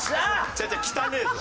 違う違う汚えぞ。